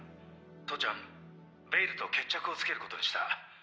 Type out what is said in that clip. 「父ちゃんベイルと決着をつけることにした」